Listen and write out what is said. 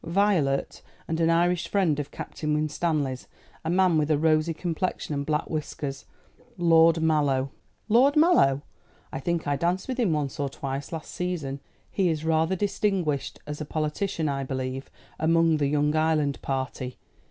"Violet, and an Irish friend of Captain Winstanley's a man with a rosy complexion and black whiskers Lord Mallow." "Lord Mallow! I think I danced with him once or twice last season. He is rather distinguished as a politician, I believe, among the young Ireland party.